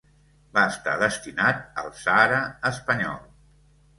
Va estar destinat al Sàhara Espanyol.